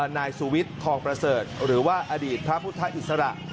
นายสุวิทย์ทองประเสริฐหรือว่าอดีตพระพุทธอิสระ